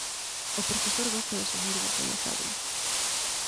O profesor gosta de asumir o papel de sabio.